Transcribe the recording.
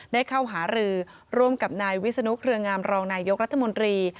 ได้เข้าหารือร่วมกับนายวิศนุเครืองามรองนายยกรัฐมนตรี